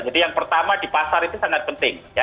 jadi yang pertama di pasar itu sangat penting ya